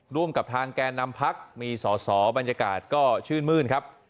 ร่วมกับทางแก่นำพักมีสอสอบรรยากาศก็ชื่นมื้นครับ